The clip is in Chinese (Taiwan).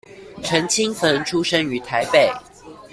陳清汾出生於台北